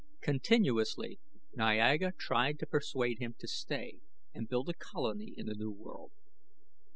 Continuously Niaga tried to persuade him to stay and build a colony in the new world.